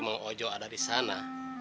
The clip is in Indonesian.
memang ojo ada di sana